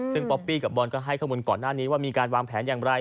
ซึ่งป๊อปปี้กับบอลก็ให้ข้อมูลก่อนหน้านี้ว่ามีการวางแผนอย่างไร